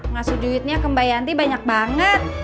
ngasih duitnya ke mbak yanti banyak banget